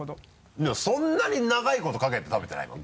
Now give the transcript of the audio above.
いやそんなに長いことかけて食べてないもん